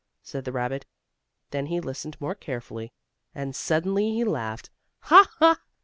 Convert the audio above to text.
said the rabbit. Then he listened more carefully, and suddenly he laughed: "Ha! Ha!"